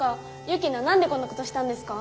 雪菜何でこんなことしたんですか？